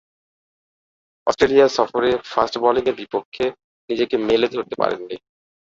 Australia সফরে fast বোলিংয়ের বিপক্ষে নিজেকে মেলে ধরতে পারেননি।